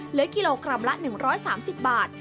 เหลือกิโลกรัมละ๑๓๐บาท